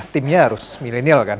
timnya harus milenial kan